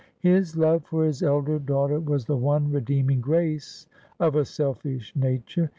His love for his elder daughter was the one redeeming grace of a selfish nature.